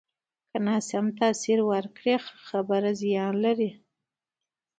که ناسم تاثر ورکړې، خبره زیان لري